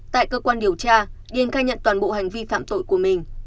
tại cơ quan điều tra điên khai nhận toàn bộ hành vi phạm tội của mình